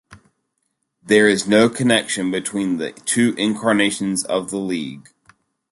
There is no connection between the two incarnations of the league.